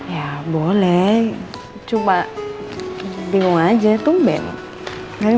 ya boleh cuma bingung aja tungguin